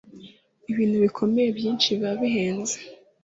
ibintu bikomeye byinshi biba bihenze